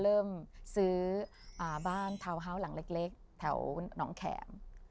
เริ่มซื้อบ้านทาวน์ฮาวส์หลังเล็กแถวหนองแข็ม